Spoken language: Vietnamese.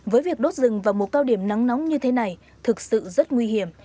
với việc đốt rừng vào mùa cao điểm nắng nóng như thế này thực sự rất nguy hiểm